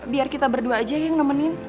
biar kita berdua aja yang nemenin